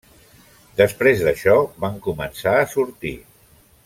Després d'això van començar a sortir.